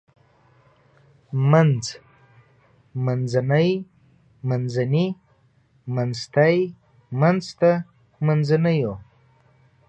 منځ منځنۍ منځني منځتی منځته منځنيو